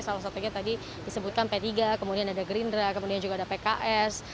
salah satunya tadi disebutkan p tiga kemudian ada gerindra kemudian juga ada pks